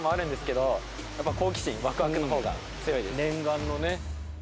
念願のね。